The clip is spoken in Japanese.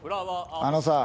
あのさ。